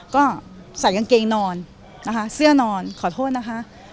ก็ใส่กางเกงนอนนะคะเสื้อนอนขอโทษนะคะ